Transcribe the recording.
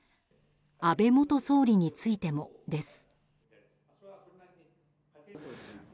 安倍元総理についてもです。